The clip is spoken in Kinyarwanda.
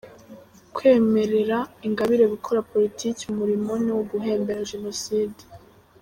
Kwemerera Ingabire gukora politike umurimo ni uguhembera Jenoside.